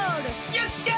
よっしゃ！